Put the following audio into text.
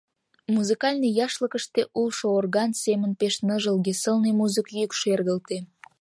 Музыкальный яшлыкыште улшо орган семын пеш ныжылге, сылне музык йӱк шергылте.